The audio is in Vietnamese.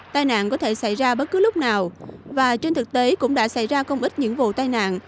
tai nạn có thể xảy ra bất cứ lúc nào và trên thực tế cũng đã xảy ra không ít những vụ tai nạn